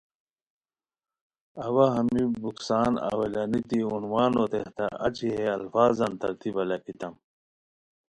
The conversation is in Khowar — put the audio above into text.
اوا ہمی بکسان اوّلانیتی عنوانان تحتہ اچی ہے الفاظان ترتیبہ لکھیتام